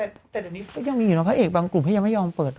แต่เดี๋ยวนี้ก็ยังมีเห็นว่าพระเอกบางกลุ่มเขายังไม่ยอมเปิด